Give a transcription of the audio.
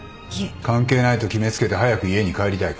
関係ないと決め付けて早く家に帰りたいか。